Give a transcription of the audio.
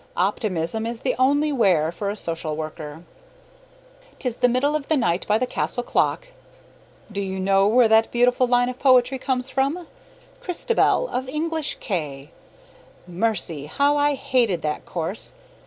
Optimism is the only wear for a social worker. "'Tis the middle of night by the castle clock" do you know where that beautiful line of poetry comes from? "Cristabel," of English K. Mercy! how I hated that course!